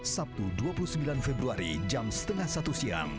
sabtu dua puluh sembilan februari jam setengah satu siang